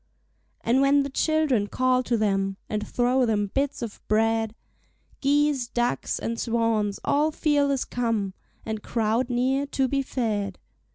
And when the children call to them And throw them bits of bread, Geese, ducks, and swans all fearless come And crowd near to be fed.